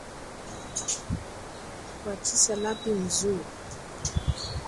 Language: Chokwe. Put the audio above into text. Kwatshisa lapi mu zuwo.